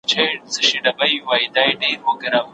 مولوي محمدعلي دليل قاضي